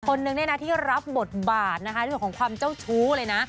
คนนึงน่ะที่รับบทบาทในส่วนของความเจ้าชู้เลยนะ